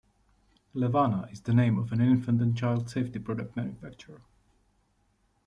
Levana is the name of an infant and child safety product manufacturer.